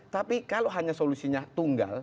tapi kalau hanya solusinya tunggal